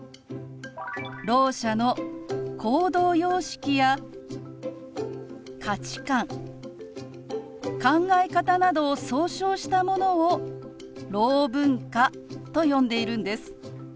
ろう者の行動様式や価値観考え方などを総称したものをろう文化と呼んでいるんです。